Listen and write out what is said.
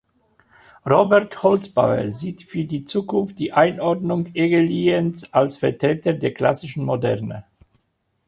Robert Holzbauer sieht für die Zukunft die Einordnung Egger-Lienz’ als Vertreter der Klassischen Moderne.